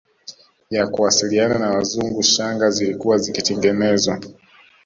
ya kuwasiliana na Wazungu shanga zilikuwa zikitengenezwa